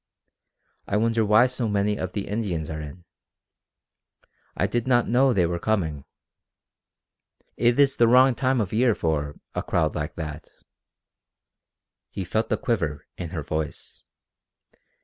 "I wonder why so many of the Indians are in? I did not know they were coming. It is the wrong time of year for a crowd like that!" He felt the quiver in her voice.